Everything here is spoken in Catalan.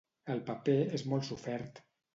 El paper és molt sofert.